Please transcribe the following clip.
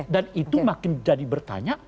dan itu makin jadi bertanya